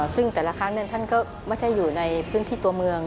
ซึ่งแต่ละครั้งท่านก็ไม่ใช่อยู่ในพื้นที่ตัวเมือง